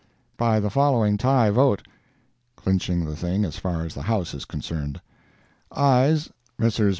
] by the following tie vote [clinching the thing as far as the House is concerned]. AYES—Messrs.